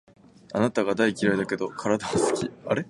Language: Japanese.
あなたが大嫌いだけど、体は好き